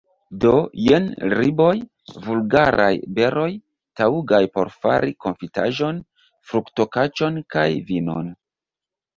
Do, jen riboj, vulgaraj beroj, taŭgaj por fari konfitaĵon, fruktokaĉon kaj vinon.